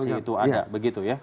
menyadari situ ada begitu ya